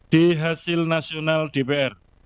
di hasil nasional dpr